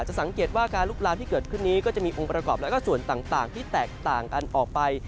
สังเกตว่าการลุกลามที่เกิดขึ้นนี้ก็จะมีองค์ประกอบและก็ส่วนต่างที่แตกต่างกันออกไป